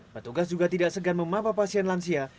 petugas juga tidak segan memapa pasien lansia